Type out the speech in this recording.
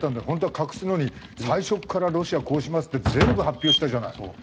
本当は隠すのに最初からロシアこうしますって全部発表したじゃない。